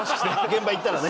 現場行ったらね。